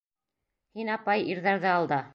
Һин, апай, ирҙәрҙе алда.